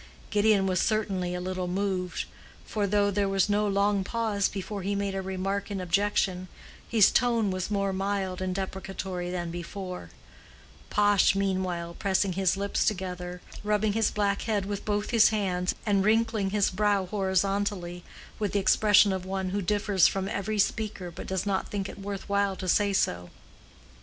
Gideon was certainly a little moved, for though there was no long pause before he made a remark in objection, his tone was more mild and deprecatory than before; Pash, meanwhile, pressing his lips together, rubbing his black head with both his hands and wrinkling his brow horizontally, with the expression of one who differs from every speaker, but does not think it worth while to say so.